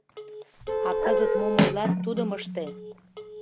— А кызыт мом ойлат, тудым ыште.